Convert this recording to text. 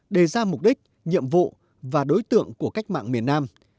đề ra mục đích nhiệm vụ và đối tượng của cách mạng miền nam